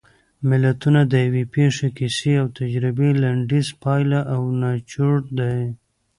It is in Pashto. متلونه د یوې پېښې کیسې او تجربې لنډیز پایله او نچوړ دی